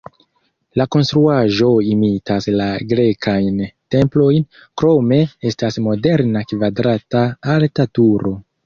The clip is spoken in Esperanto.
La konstruaĵo imitas la grekajn templojn, krome estas moderna kvadrata alta turo.